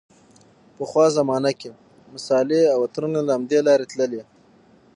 پخوا زمانو کې مصالحې او عطرونه له همدې لارې تللې.